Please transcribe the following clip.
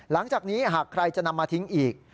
หลังจากนี้หากใครจะนำมาทิ้งอีก